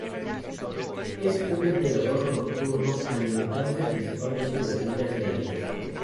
Es un depredador nocturno, alimentándose principalmente de hormigas y arañas.